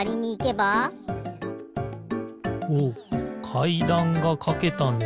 かいだんがかけたね。